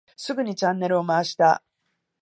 すぐにチャンネルを回した。